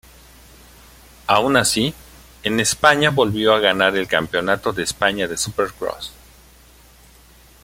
Aun así, en España volvió a ganar el Campeonato de España de Supercross.